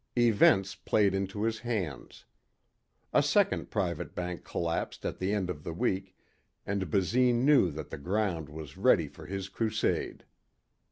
Events played into his hands. A second private bank collapsed at the end of the week and Basine knew that the ground was ready for his crusade.